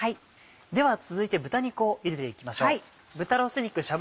では続いて豚肉をゆでていきましょう。